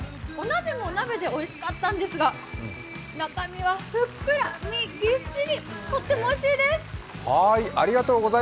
お鍋もお鍋でおいしかったんですが、中身はふっくら、身ぎっしり、とってもおいしいです。